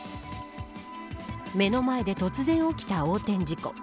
目の前で突然起きた横転事故。